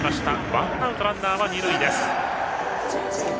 ワンアウトランナー、二塁です。